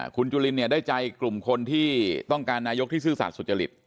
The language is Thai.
คุณจุลินเนี่ยได้ใจกลุ่มคนที่ต้องการนายกที่ซื่อสัตว์สุจริต